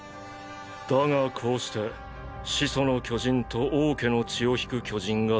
だがこうして「始祖の巨人」と「王家の血」を引く巨人が揃った。